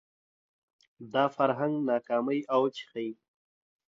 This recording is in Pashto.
دا فرهنګ ناکامۍ اوج ښيي